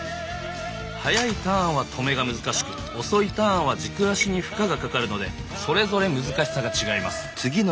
速いターンはとめが難しく遅いターンは軸足に負荷がかかるのでそれぞれ難しさが違います。